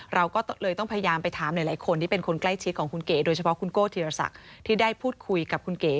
เราก็เลยต้องพยายามไปถามหลายคนที่เป็นคนใกล้ชิดของคุณเก๋โดยเฉพาะคุณโก้ธีรศักดิ์ที่ได้พูดคุยกับคุณเก๋